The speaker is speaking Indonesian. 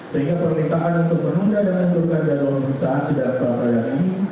sehingga perlintahan untuk menunda dan menurunkan jadwal pemeriksaan di dalam pra peradilan ini